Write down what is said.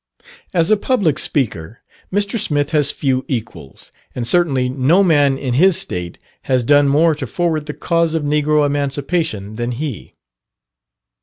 As a public speaker, Mr. Smith has few equals; and certainly no man in his State has done more to forward the cause of Negro Emancipation than he.